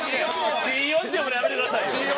Ｃ−４って呼ぶのやめてくださいよ。